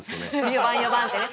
４番４番ってね。